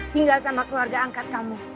tinggal sama keluarga angkat kamu